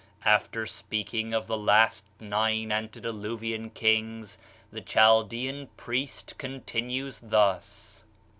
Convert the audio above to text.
After speaking of the last nine antediluvian kings, the Chaldean priest continues thus.